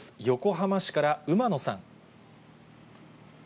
横浜市から馬野さん。